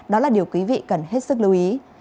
đó là điều quý vị cần hết sức lưu ý